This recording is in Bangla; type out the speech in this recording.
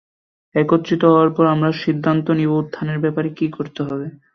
একত্রিত হবার পর, আমরা সিদ্ধান্ত নিব উত্থানের ব্যাপারে কী করতে হবে।